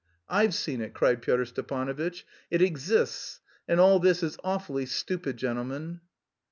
"I've seen it," cried Pyotr Stepanovitch. "It exists, and all this is awfully stupid, gentlemen."